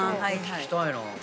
聞きたいな。